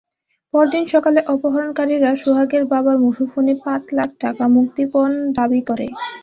পরদিন সকালে অপহরণকারীরা সোহাগের বাবার মুঠোফোনে পাঁচ লাখ টাকা মুক্তিপণ দাবি করে।